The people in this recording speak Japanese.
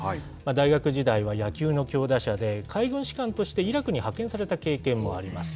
大学時代は野球の強打者で、海軍士官として、イラクに派遣された経験もあります。